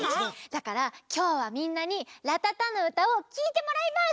だからきょうはみんなに「らたたのうた」をきいてもらいます！